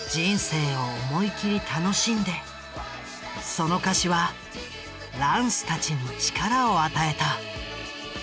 その歌詞はランスたちに力を与えた。